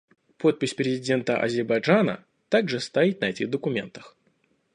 Подпись президента Азербайджана также стоит на этих документах.